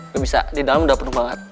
udah bisa di dalam udah penuh banget